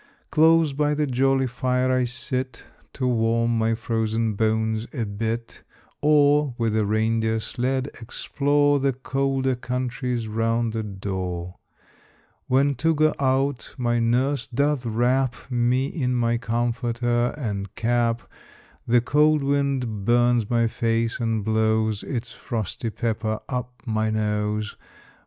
Close by the jolly fire I sit To warm my frozen bones a bit; Or, with a reindeer sled, explore The colder countries round the door. When to go out, my nurse doth wrap Me in my comforter and cap, The cold wind burns my face, and blows Its frosty pepper up my nose.